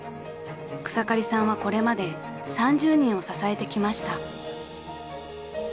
［草刈さんはこれまで３０人を支えてきました］